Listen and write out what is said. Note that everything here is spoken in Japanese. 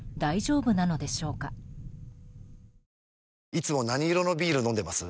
いつも何色のビール飲んでます？